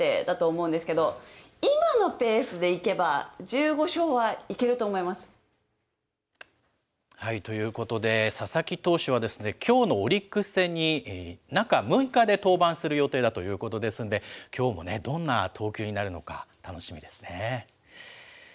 そして、稲村さんの予想。ということで、佐々木投手は、きょうのオリックス戦に、中６日で登板する予定だということですんで、きょうもどんな投球になるのか、楽しみですね。